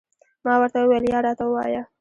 ما ورته وویل، یا راته ووایه.